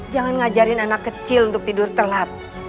jangan ngajarin anak kecil untuk tidur telat